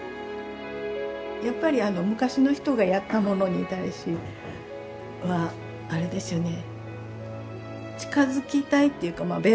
やっぱりあの昔の人がやったものに対しあれですよね近づきたいっていうかまあ勉強ですよね